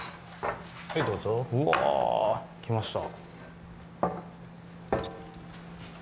はいどうぞうわきました